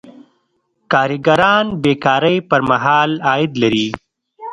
کارګران بې کارۍ پر مهال عاید لري.